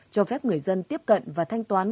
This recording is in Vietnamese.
cho phép người dân tiếp cận và thanh toán